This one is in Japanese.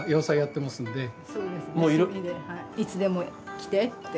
いつでも来てって。